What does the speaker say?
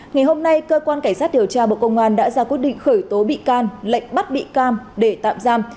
ngày hôm nay cơ quan cảnh sát điều tra bộ công an đã ra quyết định khởi tố bị can lệnh bắt bị can để tạm giam